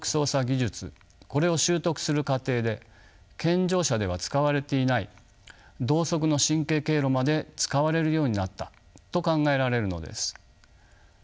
これを習得する過程で健常者では使われていない同側の神経経路まで使われるようになったと考えられるのです。